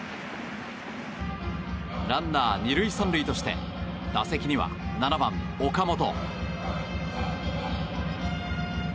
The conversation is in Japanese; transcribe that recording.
ランナー２、３塁として打席には７番、岡本。